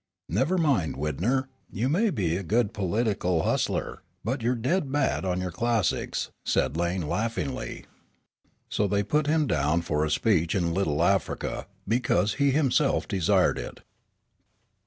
"Never mind, Widner; you may be a good political hustler, but you're dead bad on your classics," said Lane laughingly. So they put him down for a speech in Little Africa, because he himself desired it.